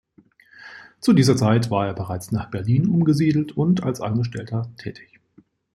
Zu dieser Zeit war er bereits nach Berlin umgesiedelt und als Angestellter tätig.